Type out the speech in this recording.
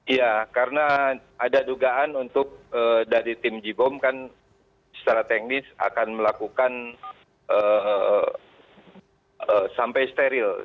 ya karena ada dugaan untuk dari tim j bom kan secara teknis akan melakukan sampai steril